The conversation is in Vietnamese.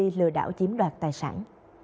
hành vi lừa đảo chiếm đoạt tài sản